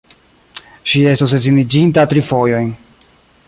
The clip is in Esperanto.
Ŝi estus edziniĝinta tri fojojn.